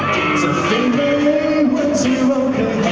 คิดว่าฉันไม่รู้เธอยังไง